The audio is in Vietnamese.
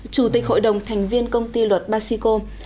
chủ tịch hội đồng thành viên công ty luật basico